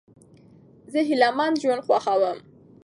زه هیلهمن ژوند خوښوم.